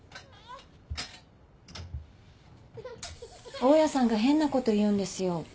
大家さんが変なこと言うんですよ。